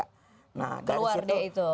keluar deh itu